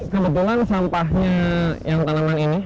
kebetulan sampahnya yang tanaman ini